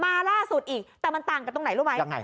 ล่าสุดอีกแต่มันต่างกันตรงไหนรู้ไหม